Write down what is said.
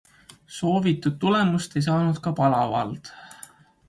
Soovitud tulemust ei saanud ka Pala vald.